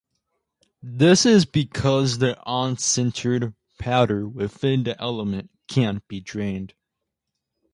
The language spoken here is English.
This is because the unsintered powder within the element can't be drained.